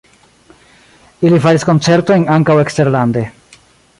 Ili faris koncertojn ankaŭ eksterlande.